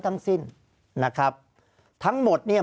ภารกิจสรรค์ภารกิจสรรค์